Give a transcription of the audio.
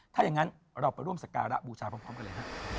ถ้าอย่างนั้นเราไปร่วมสการะบูชาพร้อมกันเลยฮะ